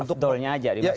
afdolnya aja di masjid